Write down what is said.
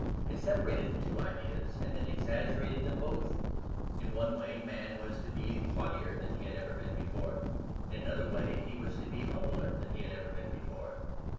It separated the two ideas and then exaggerated them both. In one way Man was to be haughtier than he had ever been before; in another way he was to be humbler than he had ever been before.